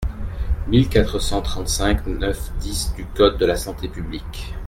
mille quatre cent trente-cinq-neuf-dix du code de la santé publique.